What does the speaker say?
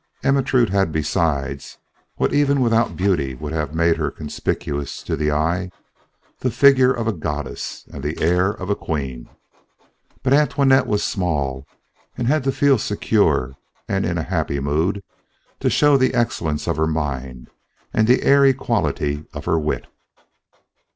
Ermentrude had besides, what even without beauty would have made her conspicuous to the eye, the figure of a goddess and the air of a queen. But Antoinette was small and had to feel secure and in a happy mood to show the excellence of her mind and the airy quality of her wit.